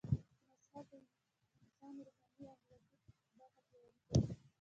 مذهب د انسان روحاني او اخلاقي برخه پياوړي کوي